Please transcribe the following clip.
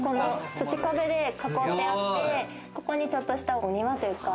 土壁で囲ってあって、ここにちょっとしたお庭というか。